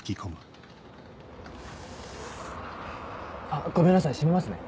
あっごめんなさい閉めますね。